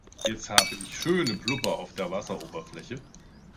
Jetzt habe ich schöne Blubber auf der Wasseroberfläche.